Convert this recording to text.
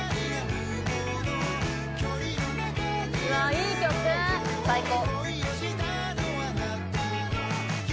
「いい曲」「最高」